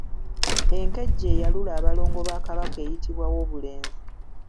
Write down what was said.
Enkejje eyalula abalongo ba Kabaka eyitibwa Woobulenzi.